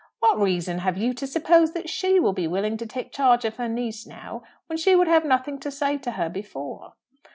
"What reason have you to suppose that she will be willing to take charge of her niece now, when she would have nothing to say to her before?"